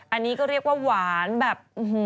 อันนี้ก็เรียกว่าหวานแบบ